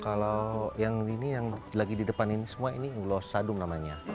kalau yang ini yang lagi di depan ini semua ini glos sadum namanya